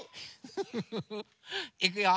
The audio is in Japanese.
フフフフいくよ！